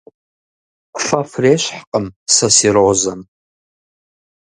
Фэ фрещхькъым сэ си розэм.